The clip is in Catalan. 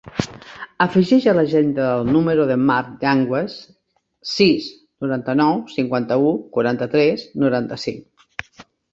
Afegeix a l'agenda el número del Marc Yanguas: sis, noranta-nou, cinquanta-u, quaranta-tres, noranta-cinc.